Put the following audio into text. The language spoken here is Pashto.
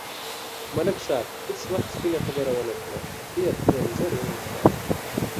ملک صاحب هېڅ وخت سپینه خبره و نه کړه، ډېر تور زړی انسان دی.